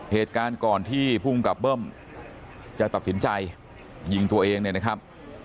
เหตุการณ์ก่อนที่ภูมิกับเบิ้มจะตัดสินใจยิงตัวเองเนี่ยนะครับ